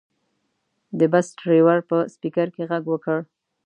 د بس ډریور په سپیکر کې غږ وکړ.